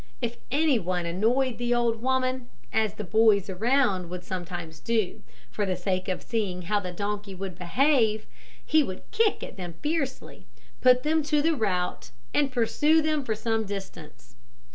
If any one annoyed the old woman as the boys around would sometimes do, for the sake of seeing how the donkey would behave he would kick out at them fiercely, put them to the rout, and pursue them for some distance.